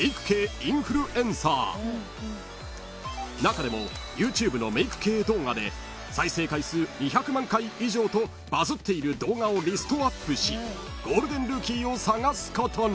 ［中でもＹｏｕＴｕｂｅのメイク系動画で再生回数２００万回以上とバズっている動画をリストアップしゴールデンルーキーを探すことに］